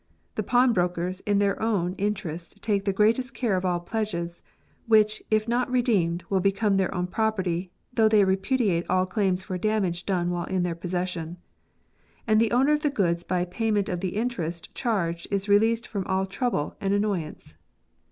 The pawnbrokers in their own interest take the greatest care of all pledges, which, if not redeemed, will become their own property, though they repudiate all claims for damage done while in their possession ; and the owner of the goods by payment of the interest charged is released from all trouble and annoyance.